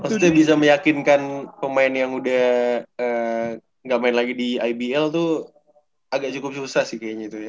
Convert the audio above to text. maksudnya bisa meyakinkan pemain yang udah gak main lagi di ibl tuh agak cukup susah sih kayaknya itu ya